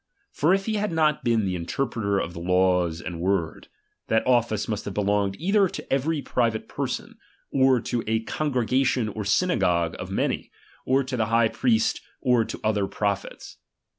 For if he had not been the interpreter of the laws and word, that office must have belonged either to every private person, or to a congregation or synagogue of many, or to the high priest or to other prophets.